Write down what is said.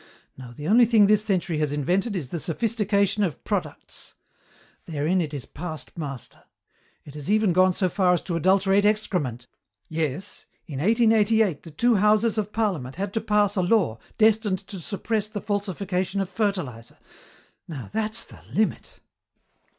No, the only thing this century has invented is the sophistication of products. Therein it is passed master. It has even gone so far as to adulterate excrement. Yes, in 1888 the two houses of parliament had to pass a law destined to suppress the falsification of fertilizer. Now that's the limit."